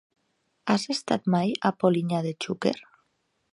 Has estat mai a Polinyà de Xúquer?